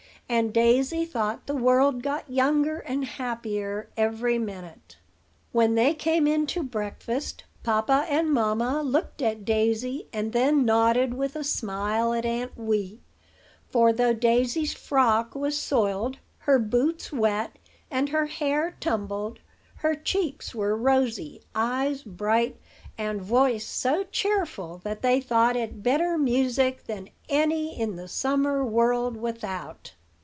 And Daisy thought the world got younger and happier every minute. When they came in to breakfast, papa and mamma looked at Daisy, and then nodded with a smile at Aunt Wee; for, though Daisy's frock was soiled, her boots wet, and her hair tumbled, her cheeks were rosy, eyes bright, and voice so cheerful that they thought it better music than any in the summer world without.